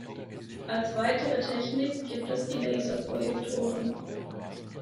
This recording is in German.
Als weitere Technik gibt es die Laser-Projektoren.